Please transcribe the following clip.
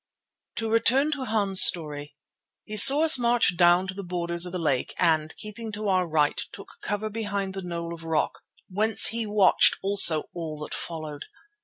To return to Hans' story. He saw us march down to the borders of the lake, and, keeping to our right, took cover behind the knoll of rock, whence he watched also all that followed.